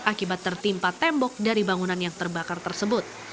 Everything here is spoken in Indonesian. akibat tertimpa tembok dari bangunan yang terbakar tersebut